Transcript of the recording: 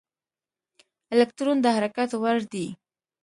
الکترون د حرکت وړ دی.